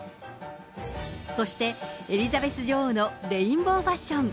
そして、エリザベス女王のレインボーファッション。